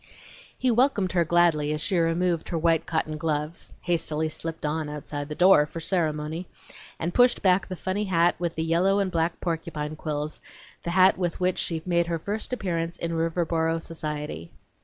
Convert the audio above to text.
He welcomed her gladly as she removed her white cotton gloves (hastily slipped on outside the door, for ceremony) and pushed back the funny hat with the yellow and black porcupine quills the hat with which she made her first appearance in Riverboro society.